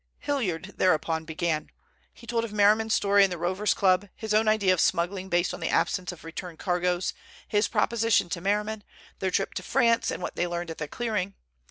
Hilliard thereupon began. He told of Merriman's story in the Rovers' Club, his own idea of smuggling based on the absence of return cargoes, his proposition to Merriman, their trip to France and what they learned at the clearing.